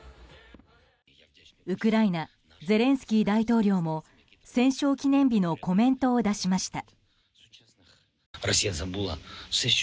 ウクライナゼレンスキー大統領も戦勝記念日のコメントを出しました。